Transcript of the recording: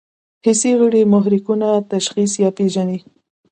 حسي غړي محرکونه تشخیص یا پېژني.